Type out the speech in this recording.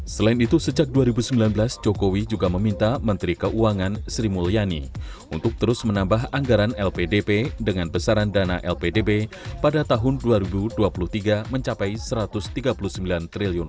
selain itu sejak dua ribu sembilan belas jokowi juga meminta menteri keuangan sri mulyani untuk terus menambah anggaran lpdp dengan besaran dana lpdb pada tahun dua ribu dua puluh tiga mencapai rp satu ratus tiga puluh sembilan triliun